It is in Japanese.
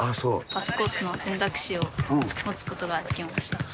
パスコースの選択肢を多く持つことができました。